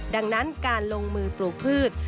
ดังนั้นการลงมือปลูกพืช